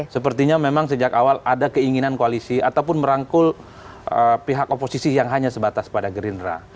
sepertinya memang sejak awal ada keinginan koalisi ataupun merangkul pihak oposisi yang hanya sebatas pada gerindra